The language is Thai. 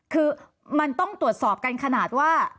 คือมันต้องตรวจสอบกันขนาดว่า